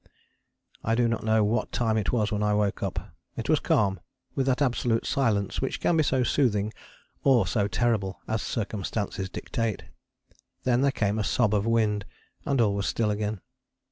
I do not know what time it was when I woke up. It was calm, with that absolute silence which can be so soothing or so terrible as circumstances dictate. Then there came a sob of wind, and all was still again.